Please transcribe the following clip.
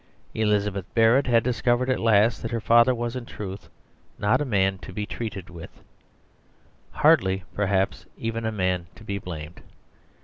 Elizabeth Barrett had discovered at last that her father was in truth not a man to be treated with; hardly, perhaps, even a man to be blamed.